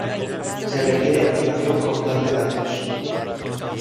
Se requiere activación con plan de datos.